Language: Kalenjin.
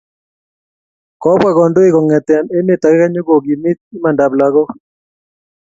Kobwa kandoik kongete emet ake nyo kokimit imandab lagok